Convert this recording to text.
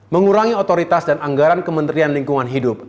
mengurangi otoritas dan anggaran kementerian lingkungan hidup